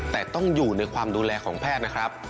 แต่ต้องอยู่ในความดูแลของแพทย์นะครับ